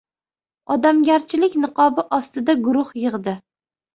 Odamgarchilik niqobi ostida guruh yig‘di.